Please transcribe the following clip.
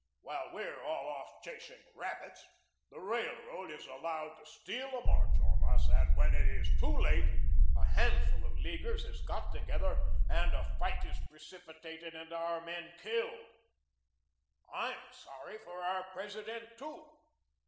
While we're all off chasing rabbits, the Railroad is allowed to steal a march on us and when it is too late, a handful of Leaguers is got together and a fight is precipitated and our men killed. I'M sorry for our President, too.